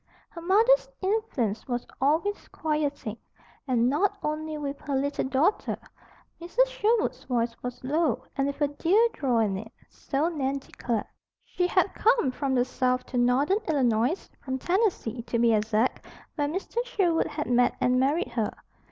Her mother's influence was always quieting, and not only with her little daughter. Mrs. Sherwood's voice was low, and with a dear drawl in it, so Nan declared. She had come from the South to Northern Illinois, from Tennessee, to be exact, where Mr. Sherwood had met and married her.